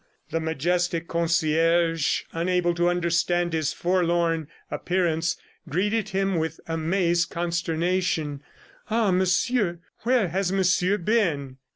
... The majestic concierge, unable to understand his forlorn appearance, greeted him with amazed consternation. "Ah. Monsieur! ... Where has Monsieur been?"